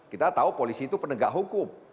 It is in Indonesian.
kita tahu polisi itu penegak hukum